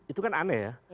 itu kan aneh ya